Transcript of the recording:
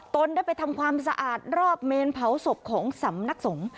ตนได้ไปทำความสะอาดรอบเมนเผาศพของสำนักสงฆ์